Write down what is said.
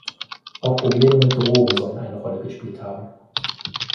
Auch Probleme mit Drogen sollen eine Rolle gespielt haben.